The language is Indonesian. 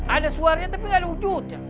ada suaranya tapi gak ada wujudnya